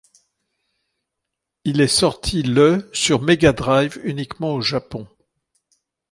Il est sorti le sur Mega Drive, uniquement au Japon.